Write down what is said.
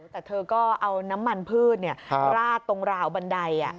แต่เธอก็เอาน้ำมันพืชราดตรงราวบันได